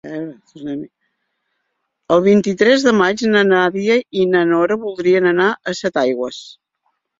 El vint-i-tres de maig na Nàdia i na Nora voldrien anar a Setaigües.